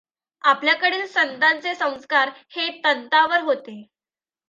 आपल्याकडील संतांचे संस्कार हे तंतांवर होते.